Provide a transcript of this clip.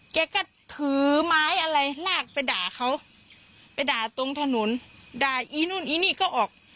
แกก็ถือไม้อะไรลากไปด่าเขาไปด่าตรงถนนด่าอีนู่นอีนี่ก็ออก